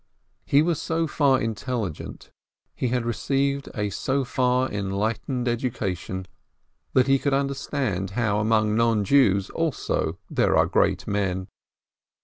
He was so far intelligent, he had received a so far enlight ened education, that he could understand how among non Jews also there are great men.